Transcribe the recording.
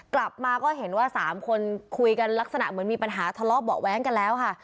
กลับมาก็เห็นว่า๓คนคุยกันลักษณะเหมือนมีปัญหาทะเลาะเบาะแว้งกันแล้วค่ะ